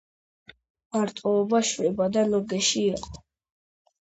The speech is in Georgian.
მარტოობა შვება და ნუგეში იყო,